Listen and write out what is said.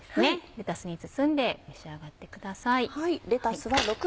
レタスに包んで召し上がってください。